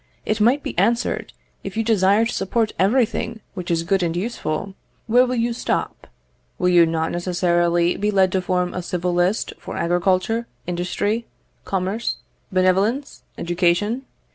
It might be answered, if you desire to support everything which is good and useful, where will you stop? Will you not necessarily be led to form a civil list for agriculture, industry, commerce, benevolence, education?